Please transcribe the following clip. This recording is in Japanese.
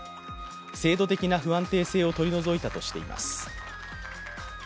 制度的な不安定性を取り除いたとしています。